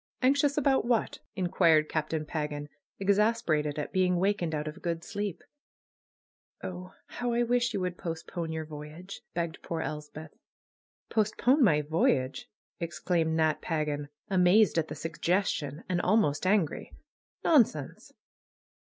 Anxious about what?" inquired Captain Pagan, exasperated at being wakened out of a gooa sleep. "Oh ! How I wish you would postpone your voyage !" begged poor Elspeth. "Postpone my voyage!" exclaimed Captain Nat Pa gan, amazed at the suggestion, and almost angry. "Nonsense